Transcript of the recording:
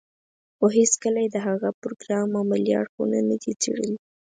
خو هېڅکله يې د هغه پروګرام عملي اړخونه نه دي څېړلي.